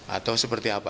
atau seperti apa